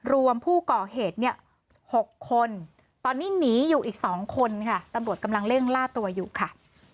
รวมผู้ก่อเหตุเนี่ย๖คนตอนนี้หนีอยู่อีก๒คนค่ะตำรวจกำลังเร่งล่าตัวอยู่ค่ะ